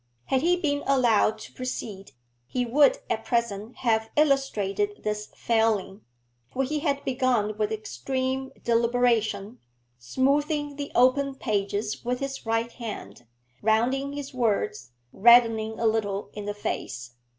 Had he been allowed to proceed, he would at present have illustrated this failing, for he had begun with extreme deliberation, smoothing the open pages with his right hand, rounding his words, reddening a little in the face.